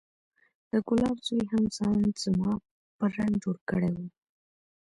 د ګلاب زوى هم ځان زما په رنګ جوړ کړى و.